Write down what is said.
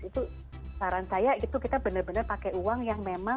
itu saran saya itu kita benar benar pakai uang yang memang